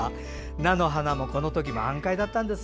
菜の花もこの時満開だったんです。